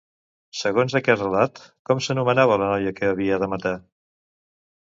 Segons aquest relat, com s'anomenava la noia que havia de matar?